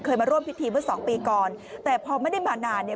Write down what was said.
มาร่วมพิธีเมื่อสองปีก่อนแต่พอไม่ได้มานานเนี่ย